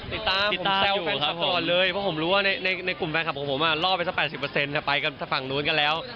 กิตาอยู่ครับผมกิตาหล่อแฟนคาปลอดเลยเพราะผมรู้ว่าในกลุ่มแฟนคาปลองผมล่อไปสัก๘๐เปอร์เซ็นต์ไปฝั่งนู้นกันแล้ว